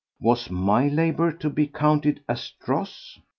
Was my labour to be counted as dross?